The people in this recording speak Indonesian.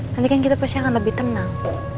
nanti kan kita pasti akan lebih tenang